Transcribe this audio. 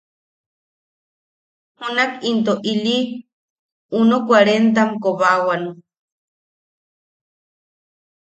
Junak into ili uno kuarentam kobaawan.